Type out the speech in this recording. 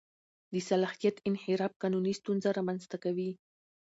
د صلاحیت انحراف قانوني ستونزه رامنځته کوي.